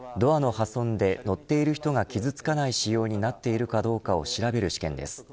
破損で乗っている人が傷つかない仕様になっているかどうかを調べる試験です。